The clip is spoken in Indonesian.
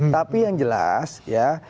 tapi yang jelas ya